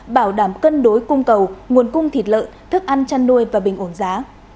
bảo đảm cân đối cung cầu nguồn cung thịt lợn thức ăn chăn nuôi và bình ổn giá